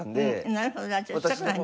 なるほど。